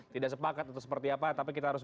tidak sepakat atau seperti apa tapi kita harus